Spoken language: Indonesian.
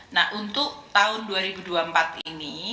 nah untuk tahun dua ribu dua puluh empat ini